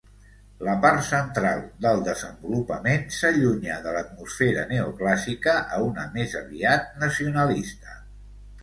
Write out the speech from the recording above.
La part central del desenvolupament s'allunya de l'atmosfera neoclàssica a una més aviat nacionalista.